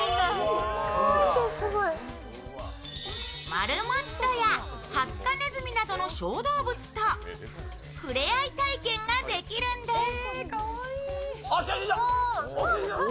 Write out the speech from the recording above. モルモットやハツカネズミなどの小動物とふれあい体験ができるんです。